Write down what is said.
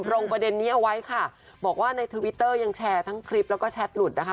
ประเด็นนี้เอาไว้ค่ะบอกว่าในทวิตเตอร์ยังแชร์ทั้งคลิปแล้วก็แชทหลุดนะคะ